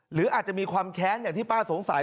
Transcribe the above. หรืออาจจะมีความแค้นอย่างที่ป้าสงสัย